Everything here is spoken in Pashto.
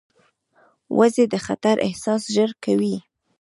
وزې د خطر احساس ژر کوي